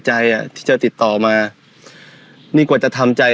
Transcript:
ใจอ่ะที่จะติดต่อมานี่กว่าจะทำใจ